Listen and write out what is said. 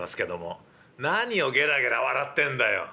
「何をゲラゲラ笑ってんだよ？」。